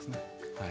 はい。